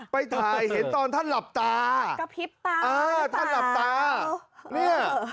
ไปถ่ายเห็นตอนท่านหลับตากระพริบตาเออท่านหลับตาเนี่ย